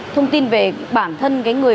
thông tin về bản thân người